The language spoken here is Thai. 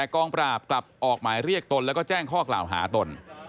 กองปราบกลับออกหมายเรียกตนแล้วก็แจ้งข้อกล่าวหาตน